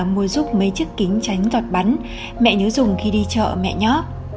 mua giúp mấy chiếc kính tránh đọt bắn mẹ nhớ dùng khi đi chợ mẹ nhé